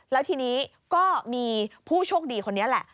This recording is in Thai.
แล้วทีนี้ก็มีผู้โชคดีคนนี้แหละ